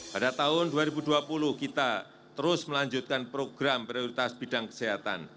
pada tahun dua ribu dua puluh kita terus melanjutkan program prioritas bidang kesehatan